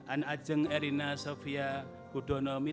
anak jeng erina sofya kudono msi